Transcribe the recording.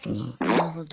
なるほど。